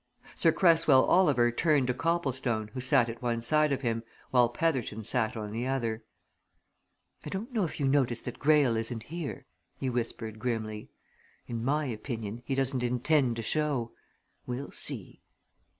Sir Cresswell Oliver turned to Copplestone who sat at one side of him, while Petherton sat on the other. "I don't know if you notice that Greyle isn't here?" he whispered grimly. "In my opinion, he doesn't intend to show! We'll see!"